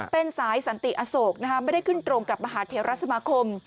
เป็นสายสันติอโศกไม่ได้ขึ้นตรงกับมหาเทราสมาคม